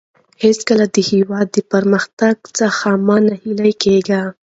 هېڅکله د هېواد د پرمختګ څخه مه ناهیلي کېږئ.